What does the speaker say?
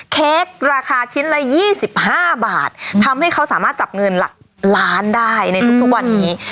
เค้กราคาชิ้นละ๒๕บาททำให้เขาสามารถจับเงินหลักล้านได้ในทุกวันนี้